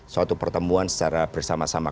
suatu pertemuan secara bersama sama